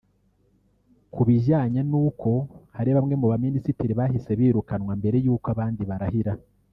Ku bijyanye n’uko hari bamwe mu baminisitiri bahise birukanwa mbere y’uko abandi barahira